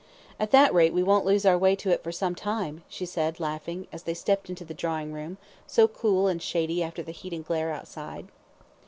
"At that rate we won't lose our way to it for some time," she said laughing, as they stepped into the drawing room, so cool and shady, after the heat and glare outside.